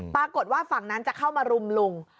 ปรากฏว่าฝั่งนั้นจะเข้ามารุมลุง